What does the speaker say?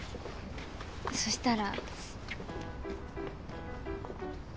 そしたら。